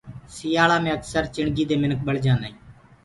سيآݪآ مي اڪسر چِڻگي دي منک بݪجآندآ هين۔